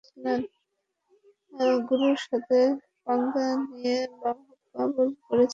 গুরুর সাথে পাঙ্গা নিতে বারণ করেছিলাম, কিন্তু সে আমার কথা শুনেনি।